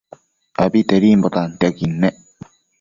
Abitedimbo tantiaquid nec